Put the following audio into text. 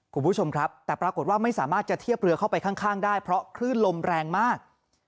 คุณผู้ชมครับแต่ปรากฏว่าไม่สามารถจะเทียบเรือเข้าไปข้างได้เพราะคลื่นลมแรงมาก